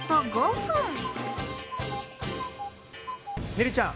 ねるちゃん！